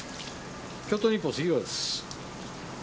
京都日報杉浦です。